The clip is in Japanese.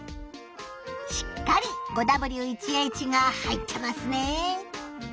しっかり５Ｗ１Ｈが入ってますね。